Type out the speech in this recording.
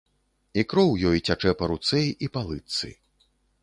І кроў ёй цячэ па руцэ і па лытцы.